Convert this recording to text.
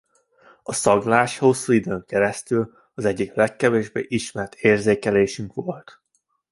A szaglás hosszú időn keresztül az egyik legkevésbé ismert érzékelésünk volt.